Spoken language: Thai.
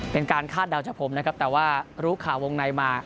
เป็นการคาดดาวจากผมแต่ว่ารุขาวงในมา